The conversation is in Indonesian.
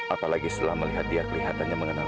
apalagi setelah melihat dia kelihatannya mengenali aini